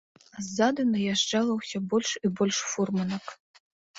А ззаду наязджала ўсё больш і больш фурманак.